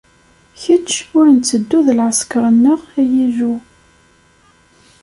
Kečč ur ntteddu d lɛesker-nneɣ, ay Illu.